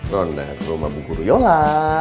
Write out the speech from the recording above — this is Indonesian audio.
ronda ke rumah buku riola